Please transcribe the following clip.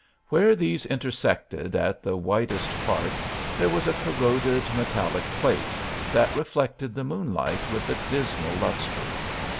Where these intersected at the widest part there was a corroded metallic plate that reflected the moonlight with a dismal lustre.